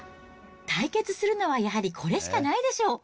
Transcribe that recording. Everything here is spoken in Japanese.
対決するのはやはり、これしかないでしょう。